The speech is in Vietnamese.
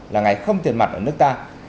là ngày không tiền mặt ở nước ta